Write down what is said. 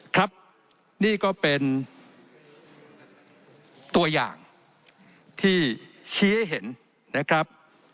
ครับนี่ก็เป็นตัวอย่างที่ชี้ให้เห็นนะครับ